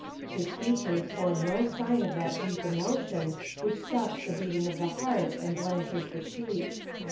His features bore no sign of that deep emotion which stops the beating of the heart and blanches the cheek.